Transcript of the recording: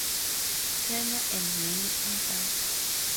Turner and many others.